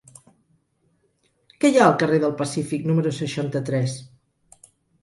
Què hi ha al carrer del Pacífic número seixanta-tres?